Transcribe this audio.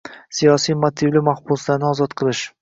Siyosiy motivli mahbuslarni ozod qilish